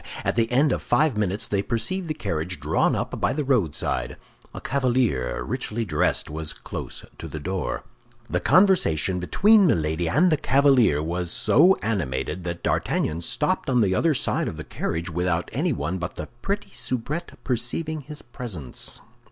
At the end of five minutes they perceived the carriage drawn up by the roadside; a cavalier, richly dressed, was close to the door. The conversation between Milady and the cavalier was so animated that D'Artagnan stopped on the other side of the carriage without anyone but the pretty soubrette perceiving his presence.